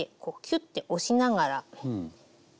ッて押しながら。